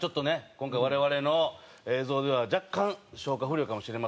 今回我々の映像では若干消化不良かもしれませんので。